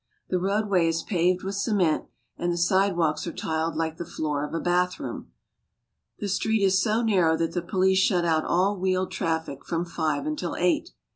The roadway is paved with cement, and the sidewalks are tiled Uke the floor of a bathroom. The street is so narrow that the police shut out all wheeled traffic from five until eight.